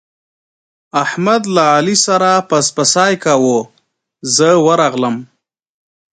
احمد له علي سره پسپسی کاوو، زه ورغلم.